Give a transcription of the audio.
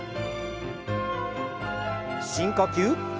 深呼吸。